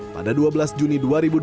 pada dua belas juni dua ribu dua puluh